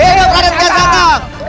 hidup raden kiasatang